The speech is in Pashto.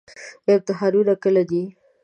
امتحانونه کله دي؟